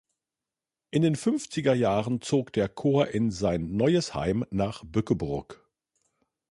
In den fünfziger Jahren zog der Chor in sein neues Heim nach Bückeburg.